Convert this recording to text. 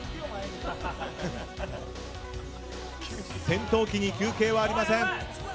戦闘機に休憩はありません。